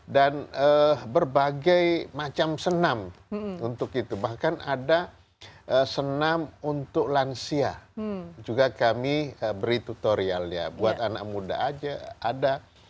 dan berbagai macam senam untuk itu bahkan ada senam untuk lansia juga kami beri tutorial ya buat anak muda aja ada